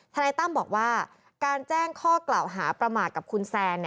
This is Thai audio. นายตั้มบอกว่าการแจ้งข้อกล่าวหาประมาทกับคุณแซน